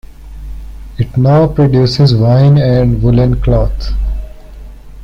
It now produces wine and woollen cloth.